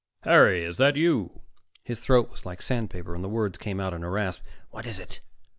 "Harry! Is that you?" His throat was like sandpaper and the words came out in a rasp. "What is it?"